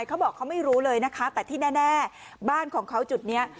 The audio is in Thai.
เขาบอกเขาไม่รู้เลยนะคะแต่ที่แน่บ้านของเขาจุดนี้